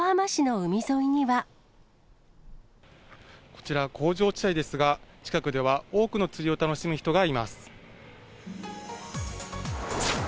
こちら、工場地帯ですが、近くでは多くの釣りを楽しむ人がいます。